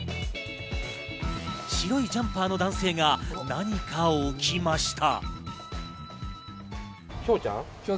白いジャンパーの男性が何かを置きました。